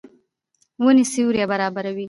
ونې سیوری برابروي.